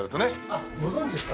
あっご存じですか？